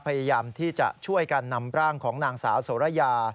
พยายามที่จะช่วยกันนำร่างของนางสาวโสระยา